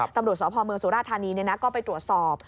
ตำรวจสพเมืองสุราธานีก็ไปตรวจสอบ